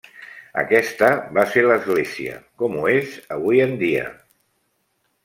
Aquesta va ser l'església com ho és avui en dia.